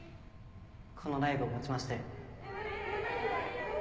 このライブをもちまして。